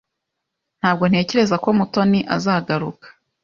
Ntabwo ntekereza ko Mutoni azagaruka.